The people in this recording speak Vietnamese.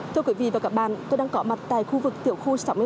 thưa quý vị và các bạn tôi đang có mặt tại khu vực thủy điện hương điện